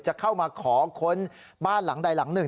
จะเข้ามาขอค้นบ้านหลังใดหลังหนึ่ง